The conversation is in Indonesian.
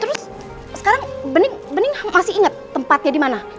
terus sekarang bening masih inget tempatnya dimana